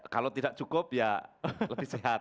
kalau tidak cukup ya lebih sehat